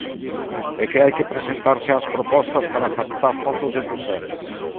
E que hai que presentar xa as propostas para captar fondos de Bruxelas.